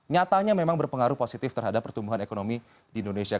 nyatanya memang berpengaruh positif terhadap pertumbuhan ekonomi di indonesia